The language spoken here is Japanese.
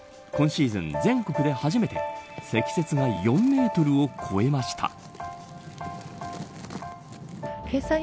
今シーズン全国で初めて積雪が４メートルを超えました。